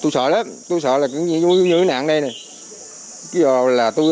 tôi sợ lắm tôi sợ là như nạn đây này